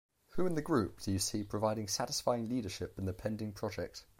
Who in the group do you see providing satisfying leadership in the pending project?